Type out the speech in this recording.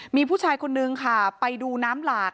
มีผู้ชายคนนึงค่ะไปดูน้ำหลาก